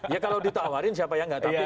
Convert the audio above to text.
ya kalau ditawarin siapa yang enggak